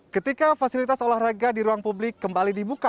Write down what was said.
ketika fasilitas olahraga di ruang publik kembali dibuka